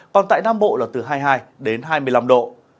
còn tại nam bộ là từ hai mươi hai đến hai mươi năm độ